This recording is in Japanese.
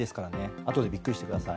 あとでビックリしてください。